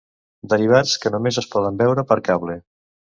Derivats que només es poden veure per cable.